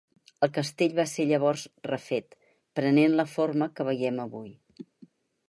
El castell va ser llavors refet, prenent la forma que veiem avui.